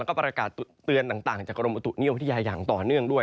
แล้วก็ปรากฏเตือนต่างจากกรมอุตุนิยวพฤทธิาอย่างต่อเนื่องด้วย